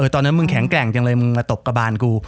ตอนนั้นมึงแข็งแกร่งจังเลยมึงมาตกกระบานกู